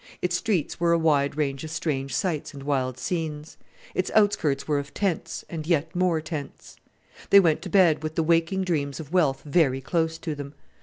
Its streets were a wide range of strange sights and wild scenes. Its outskirts were of tents, and yet more tents. They went to bed with the waking dreams of wealth very close to them.